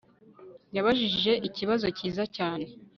Yabajije ikibazo cyiza cyane